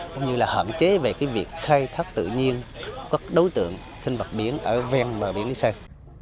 cũng như là hợp chế về việc khai thác tự nhiên các đối tượng sinh vật biến ở ven bờ biển lý sơn